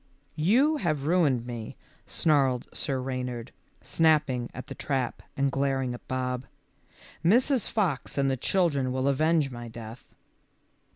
"You have ruined me," snarled Sir Reynard, snapping at the trap and glaring at Bob. "Mrs. Fox and the children will avenge my death."